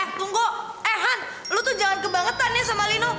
eh tunggu eh han lu tuh jangan kebangetan nih sama lino